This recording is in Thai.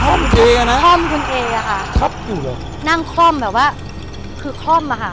คล่อมคุณเอ๋อนะคล่อมคุณเอ๋อค่ะครับอยู่หรอนั่งคล่อมแบบว่าคือคล่อมอ่ะค่ะ